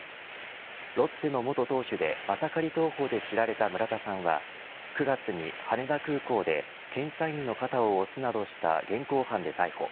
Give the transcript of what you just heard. ロッテの元投手でマサカリ投法で知られた村田さんは９月に羽田空港で検査員の肩を押すなどした現行犯で逮捕。